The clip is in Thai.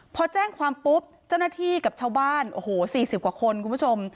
พอแจ้งความปุ๊บเจ้าหน้าที่กับชาวบ้านโอ้โห๔๐กว่าคนคุณผู้ชม